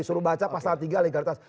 suruh baca pasal tiga legalitas